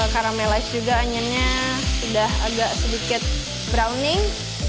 caramelize juga anjirnya udah agak sedikit browning